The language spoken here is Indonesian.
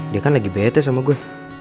dia kan lagi betes sama gue